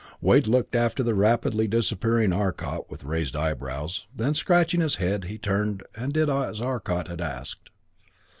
Wade looked after the rapidly disappearing Arcot with raised eyebrows, then, scratching his head, he turned and did as Arcot had asked.